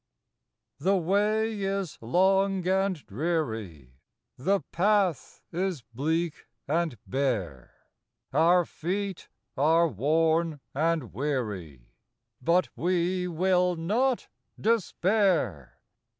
HTHE way is long and dreary, The path is bleak and bare; Our feet are worn and weary, But we will not despair.